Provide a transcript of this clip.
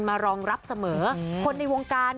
รองรับเสมอคนในวงการ